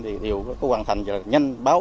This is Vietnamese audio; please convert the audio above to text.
thì đều có hoàn thành nhanh báo